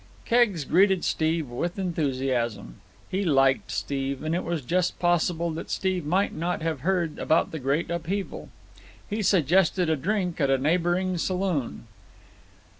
Keggs greeted Steve with enthusiasm. He liked Steve, and it was just possible that Steve might not have heard about the great upheaval. He suggested a drink at a neighbouring saloon.